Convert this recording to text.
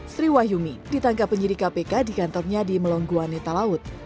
sri wahyumi ditangkap menjadi kpk di kantornya di melongguane talaut